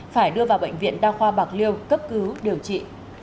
phải đưa vào bệnh viện đa khoa bạc liêu cấp cứu điều trị